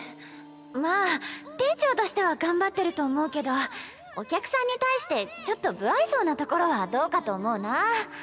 まあ店長としては頑張ってると思うけどお客さんに対してちょっと無愛想なところはどうかと思うな。